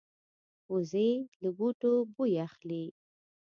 وزې له بوټو بوی اخلي